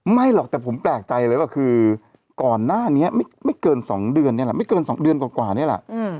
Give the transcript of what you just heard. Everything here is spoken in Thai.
ไม่หรอกแต่ผมแปลกใจเลยเปล่าคือก่อนหน้านี้ไม่กว่านานนี้แหละ